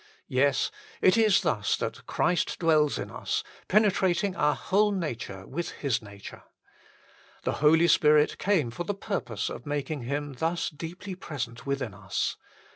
Yes : it is thus that Christ dwells in us, penetrating our whole nature with His nature. The Holy Spirit came for the purpose of making Him thus deeply present within us.